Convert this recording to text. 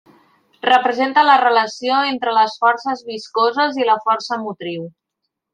Representa la relació entre les forces viscoses i la força motriu.